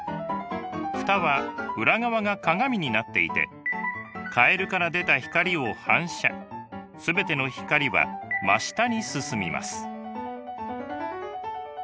フタは裏側が鏡になっていてカエルから出た光を反射全ての光は真下に進みます。